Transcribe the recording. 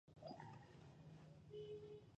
لوی درستیز هیبت الله علیزی